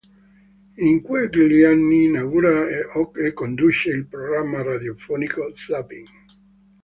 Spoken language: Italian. In quegli anni inaugura e conduce il programma radiofonico Zapping.